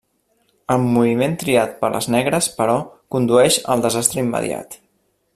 El moviment triat per les negres, però, condueix al desastre immediat.